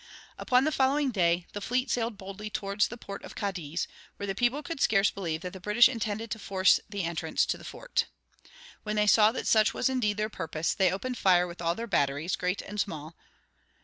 Upon the following day the fleet sailed boldly towards the port of Cadiz, where the people could scarce believe that the British intended to force the entrance to the fort. When they saw that such was indeed their purpose, they opened fire with all their batteries, great and small.